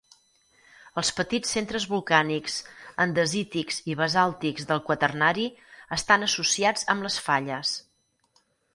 Els petits centres volcànics andesítics i basàltics del Quaternari estan associats amb les falles.